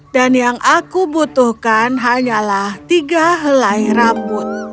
dan yang aku butuhkan hanyalah tiga helai rambut